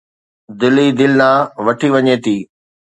دل ئي دل ڏانهن وٺي وڃي ٿي